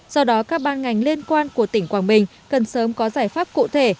do đó các ban ngành liên quan của tỉnh quảng bình cần sớm có giải pháp cụ thể